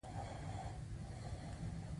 پانګوال د وزګارو افرادو د لښکر غوښتونکي دي